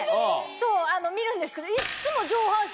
そう見るんですけど。